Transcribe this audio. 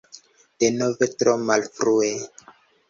Denove tro malfrue.